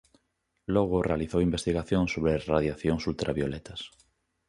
Logo realizou investigacións sobre radiacións ultravioletas.